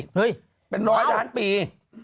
เฮ้ยเป็นร้อยล้านปี